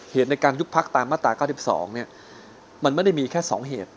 เหตุในการยุบพักตามมาตรา๙๒มันไม่ได้มีแค่๒เหตุ